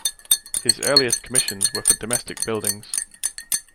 His earliest commissions were for domestic buildings.